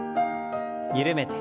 緩めて。